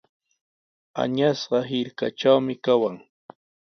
Añasqa hirkatraqmi kawan.